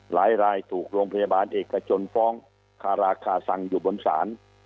รายถูกโรงพยาบาลเอกชนฟ้องคาราคาซังอยู่บนศาล